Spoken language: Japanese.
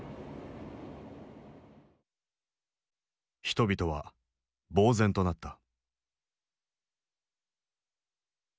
人々はぼう然となった。